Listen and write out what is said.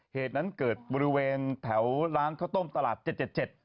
เหตุนั้นเกิดบริเวณแถวร้านข้าวต้มตลาด๗๗๗